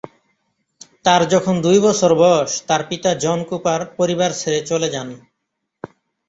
তার যখন দুই বছর বয়স তার পিতা জন কুপার পরিবার ছেড়ে চলে যান।